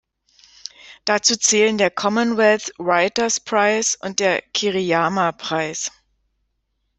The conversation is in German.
Dazu zählen der „Commonwealth Writers’ Prize“ und der „Kiriyama-Preis“.